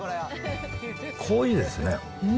濃いですね。